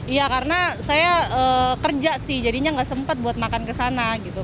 iya karena saya kerja sih jadinya nggak sempat buat makan ke sana gitu